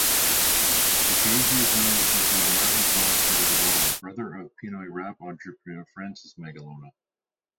Rapasia's members included Martin "Bronx" Magalona, brother of Pinoy rap entrepreneur Francis Magalona.